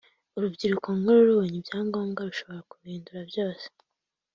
urubyiruko nk’uru rubonye ibyangombwa rushobora kubihindura byose